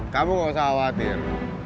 kamu gak usah khawatir